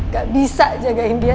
gak bisa jagain dia